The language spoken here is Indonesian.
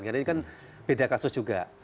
karena ini kan beda kasus juga